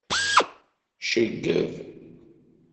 Ceggeb.